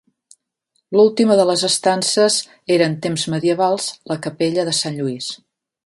L'última de les estances era, en temps medievals, la Capella de Sant Lluís.